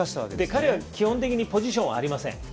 彼は基本的にポジションがありません。